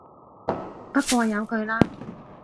不過由佢啦